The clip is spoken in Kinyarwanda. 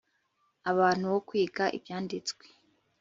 abantu wo kwiga Ibyanditswe